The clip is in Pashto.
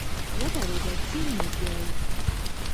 ودرېږه چېري مو بیایې ؟